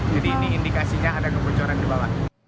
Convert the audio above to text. jadi ini indikasinya ada kebocoran di bawah